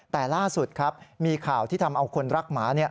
แต่ล่าสุดครับมีข่าวที่ทำเอาคนรักหมา